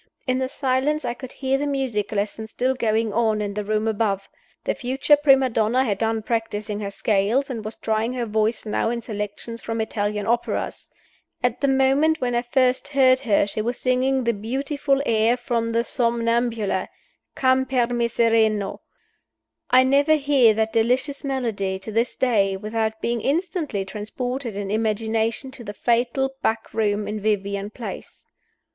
In the silence I could hear the music lesson still going on in the room above. The future prima donna had done practicing her scales, and was trying her voice now in selections from Italian operas. At the moment when I first heard her she was singing the beautiful air from the Somnambula, "Come per me sereno." I never hear that delicious melody, to this day, without being instantly transported in imagination to the fatal back room in Vivian Place.